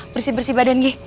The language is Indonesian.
bersih bersih badan gi